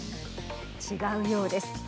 違うようです。